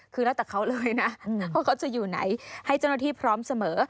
คือแล้วแต่เขาเลยนะว่าเขาจะอยู่ไหนให้เจ้าหน้าที่พร้อมเสมอ